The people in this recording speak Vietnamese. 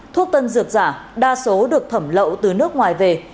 thuốc tân dược giả đa số được thẩm lậu từ nước ngoài về